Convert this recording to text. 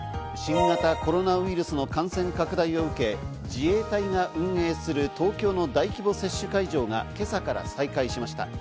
新型コロナウイルスの感染拡大を受け、自衛隊が運営する東京の大規模接種会場が今朝から再開しました。